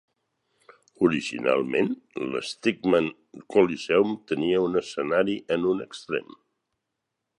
Originalment, l'Stegeman Coliseum tenia un escenari en un extrem.